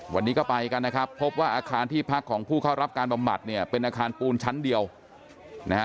วันนี้ก็ไปกันนะครับพบว่าอาคารที่พักของผู้เข้ารับการบำบัดเนี่ยเป็นอาคารปูนชั้นเดียวนะฮะ